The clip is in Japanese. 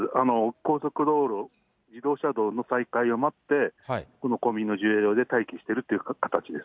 高速道路、自動車道の再開を待って、このコンビニの駐車場で待機しているという形です。